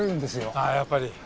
ああやっぱり。